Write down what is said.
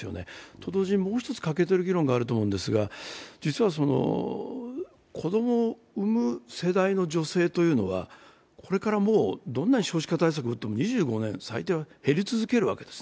と同時にもう一つ欠けてる議論があると思うんですが子供をうむ世代の女性というのはこれからどう少子化対策を打っても２５年最低、減り続けるわけです。